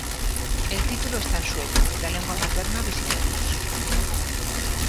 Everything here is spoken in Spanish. El título está en sueco, la lengua materna de Sibelius.